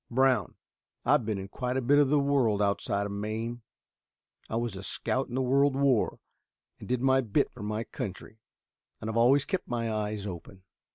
Brown, I've been in quite a bit of the world outside of Maine; I was a scout in the world war and did my bit for my country, and I've always kept my eyes open.